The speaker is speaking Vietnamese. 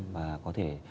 và có thể